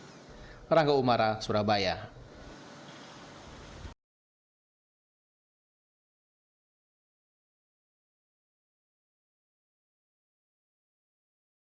channel ini berlangganan dengan resmi geliyorzuara eru setiap minggu dari hari sehebagaya